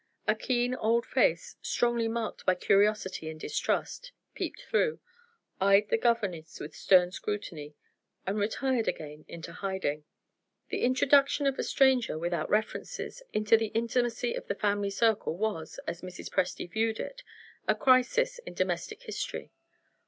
A keen old face, strongly marked by curiosity and distrust, peeped through eyed the governess with stern scrutiny and retired again into hiding. The introduction of a stranger (without references) into the intimacy of the family circle was, as Mrs. Presty viewed it, a crisis in domestic history.